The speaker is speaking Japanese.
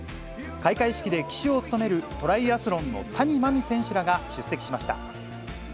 開会式で旗手を務める、トライアスロンの谷真海選手らが出席しました。